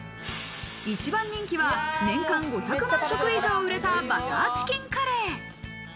一番人気は年間５００万食以上売れたバターチキンカレー。